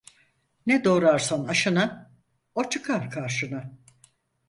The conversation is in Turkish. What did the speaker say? Ne doğrarsan aşına, o çıkar karşına.